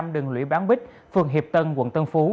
đường lũy bán bích phường hiệp tân quận tân phú